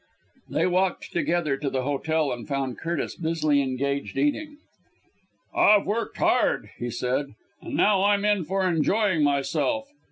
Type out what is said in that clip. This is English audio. They walked together to the hotel, and found Curtis busily engaged eating. "I've worked hard," he said, "and now I'm in for enjoying myself.